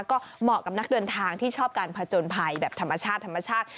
ก็เหมาะกับนักเดินทางที่ชอบการผจญภัยแบบธรรมชาติธรรมชาติ